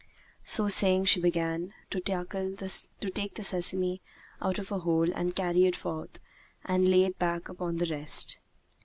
So saying, she began to take the sesame out of her hole and carry it forth and lay it back upon the rest.